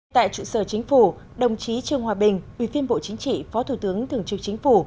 tại trụ sở chính phủ đồng chí trương hòa bình ủy viên bộ chính trị phó thủ tướng thường trực chính phủ